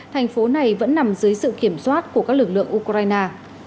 thành phố này vẫn nằm dưới sự kiểm soát của các lực lượng ukraine